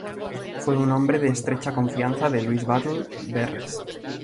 Fue un hombre de estrecha confianza de Luis Batlle Berres.